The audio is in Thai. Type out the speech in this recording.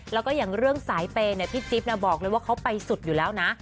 แล้วก็อย่างเรื่องสายเปย์พี่จิ๊บบอกเลยว่าเขาไปสุดอยู่แล้วนะ